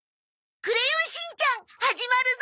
『クレヨンしんちゃん』始まるぞ。